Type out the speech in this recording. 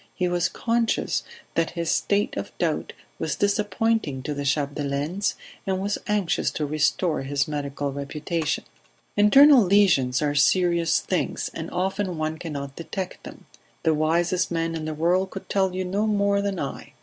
He was conscious that his state of doubt was disappointing to the Chapdelaines, and was anxious to restore his medical reputation. "Internal lesions are serious things, and often one cannot detect them. The wisest man in the world could tell you no more than I.